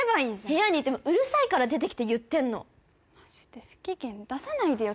部屋にいてもうるさいから出てきて言ってんのマジで不機嫌出さないでよ